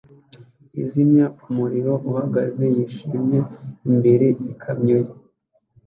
uzimya umuriro uhagaze yishimye imbere yikamyo ye